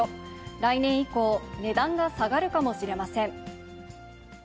来年以降、値段が下がるかもしれません。